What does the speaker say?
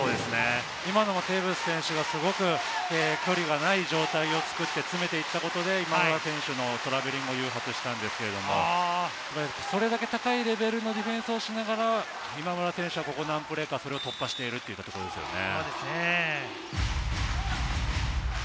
今のもテーブス選手が距離がない状態を作って詰めていたことで、今村選手のトラベリングを誘発したんですけれども、それだけ高いレベルのディフェンスをしながら今村選手は何プレーか、そこを突破しているというところですよね。